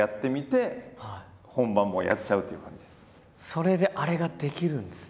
それであれができるんですね。